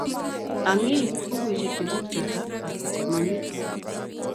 "Ang ii, bukuishek chekuk choto?" "Achicha, mami